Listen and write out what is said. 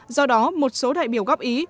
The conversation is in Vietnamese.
do đó một số đại biểu góp ý